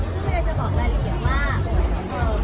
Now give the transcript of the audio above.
ซึ่งเองจะบอกเพราะหลังจากแล้วว่า